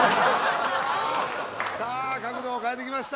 さあ角度を変えてきました。